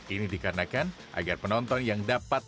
ini dikarenakan agar penonton yang dapat